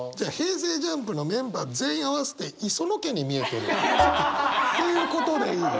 ＪＵＭＰのメンバー全員合わせて磯野家に見えてる？っていうことでいい？